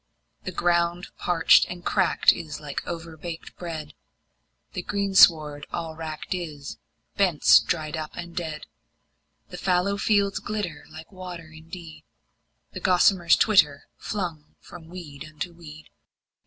The ground parched and cracked is like overbaked bread, The greensward all wracked is, bents dried up and dead. The fallow fields glitter like water indeed, And gossamers twitter, flung from weed unto weed.